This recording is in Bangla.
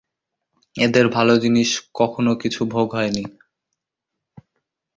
এদের ভাল জিনিষ কখনও কিছু ভোগ হয়নি।